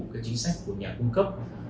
cái chính sách của nhà cung cấp